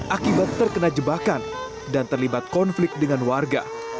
akibat terkena jebakan dan terlibat konflik dengan warga